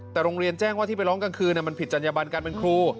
แต่โรงเรียนแจ้งว่าที่ไปร้องกลางคืนมันผิดจัญญบันการเป็นครู